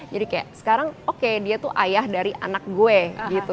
jadi kayak sekarang oke dia tuh ayah dari anak gue gitu